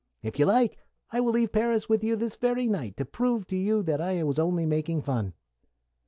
If you like, I will leave Paris with you this very night, to prove to you that I was only making fun."